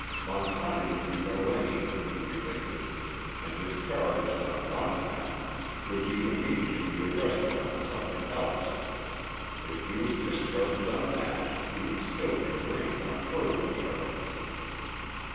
Montani would be arraigned, he predicted, and if discharged on one count, would be immediately arrested on something else. If he was discharged on that, he would still be arraigned on further charges.